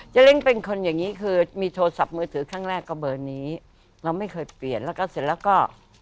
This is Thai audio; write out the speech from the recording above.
เล้งเป็นคนอย่างนี้คือมีโทรศัพท์มือถือครั้งแรกก็เบอร์นี้เราไม่เคยเปลี่ยนแล้วก็เสร็จแล้วก็